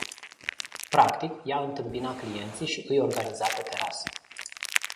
Practic, ea întâmpina clienții și îi organiza pe terasă.